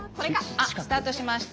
あっスタートしました。